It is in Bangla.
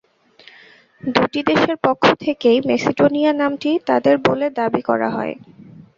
দুটি দেশের পক্ষ থেকেই মেসিডোনিয়া নামটি তাদের বলে দাবি করা হয়।